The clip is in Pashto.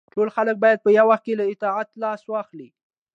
ټول خلک باید په یو وخت له اطاعت لاس واخلي.